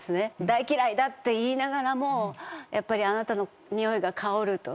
「大嫌いだ」って言いながらもやっぱりあなたのにおいが香ると。